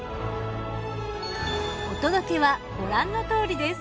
お届けはご覧のとおりです。